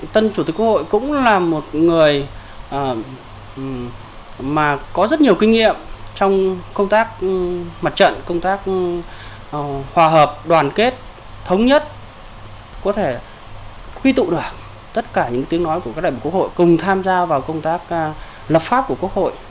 tân chủ tịch quốc hội cũng là một người mà có rất nhiều kinh nghiệm trong công tác mặt trận công tác hòa hợp đoàn kết thống nhất có thể quy tụ được tất cả những tiếng nói của các đại biểu quốc hội cùng tham gia vào công tác lập pháp của quốc hội